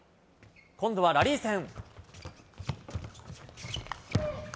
今度はラリー戦。